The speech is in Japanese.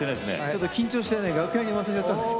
ちょっと緊張してね楽屋に忘れちゃったんです。